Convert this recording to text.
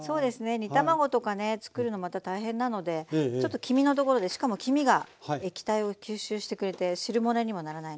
煮卵とかねつくるのまた大変なのでちょっと黄身のところでしかも黄身が液体を吸収してくれて汁物にもならないのでいいと思います。